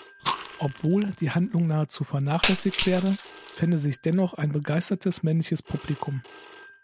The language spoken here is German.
Obwohl die Handlung nahezu vernachlässigt werde, fände sich dennoch ein begeistertes männliches Publikum.